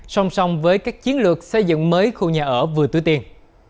song song với các chiến lược xây dựng mới khu nhà ở vừa túi tiền